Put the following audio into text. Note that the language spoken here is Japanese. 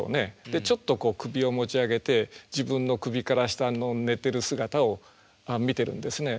でちょっと首を持ち上げて自分の首から下の寝てる姿を見てるんですね。